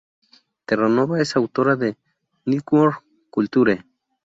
Terranova es autora de "Network Culture.